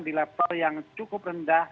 tingkat penularan di level yang cukup rendah